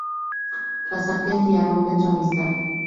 Tras aquel día, rompen su amistad.